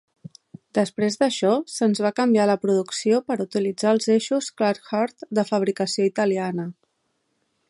Després d'això, se'n va canviar la producció per utilitzar els eixos Clark-Hurth, de fabricació italiana.